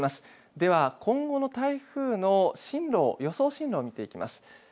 では、今後の台風の進路を予想進路を見ていきます。